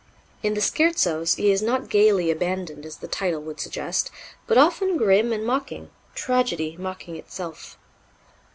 In the Scherzos he is not gaily abandoned, as the title would suggest, but often grim and mocking tragedy mocking itself.